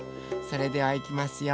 それではいきますよ。